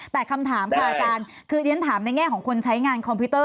แต่คำถามค่ะอาจารย์คือเรียนถามในแง่ของคนใช้งานคอมพิวเตอร์